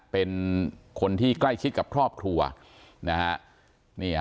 เป็นคนที่ใกล้ชิดกับครอบครัวนะฮะ